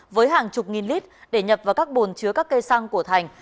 với hàng chục nghìn lít để nhập vào các bồn chứa các cây xăng của thành